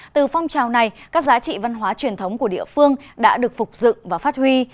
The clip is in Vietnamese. từ phong trào này các giá trị văn hóa truyền thống của địa phương đã được phục dựng và phát huy